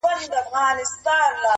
غټ منګول تېره مشوکه په کارېږي.!.!